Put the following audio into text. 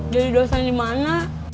jadi dosen dimana